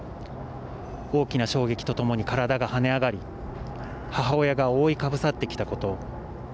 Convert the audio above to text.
大きな衝撃とともに体が跳ね上がり母親が多いかぶさってきたこと。